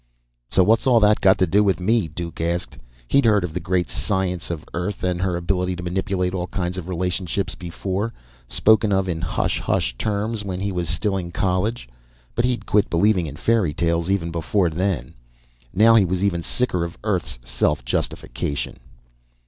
"So what's all that got to do with me?" Duke asked. He'd heard of the great science of Earth and her ability to manipulate all kinds of relationships before, spoken of in hush hush terms when he was still in college. But he'd quit believing in fairy tales even before then. Now he was even sicker of Earth's self justification.